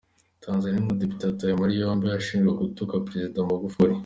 Tanzania: Umudepite yatawe muri yombi ashinjwa gutuka Perezida Magufuli .